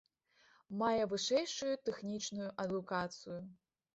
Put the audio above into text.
Мае вышэйшую тэхнічную адукацыю.